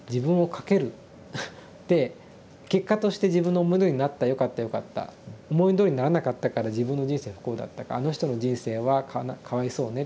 で結果として自分のものになったよかったよかった思いどおりにならなかったから自分の人生不幸だったか「あの人の人生はかわいそうね」っていうですね